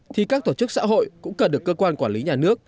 thì các tổ chức xã hội cũng cần được cơ quan quản lý nhà nước